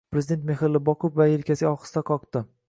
Prezident mehrli boqib va yelkasiga ohista qoqdi.